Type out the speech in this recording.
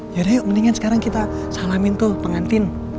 yaudah ayo mendingan sekarang kita salamin tuh pengantin